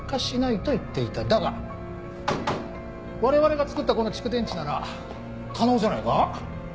だが我々が作ったこの蓄電池なら可能じゃないか？